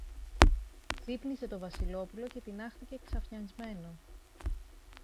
Ξύπνησε το Βασιλόπουλο και τινάχτηκε ξαφνισμένο.